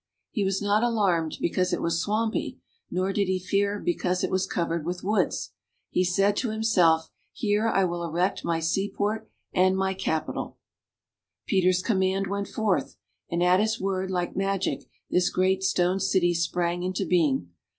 He was not alarmed because it was swampy, nor did he fear because it was covered with woods. He said to himself, " Here I will erect my seaport and my capital !" Peter's command went forth, and at his word like magic this great stone city sprang into being.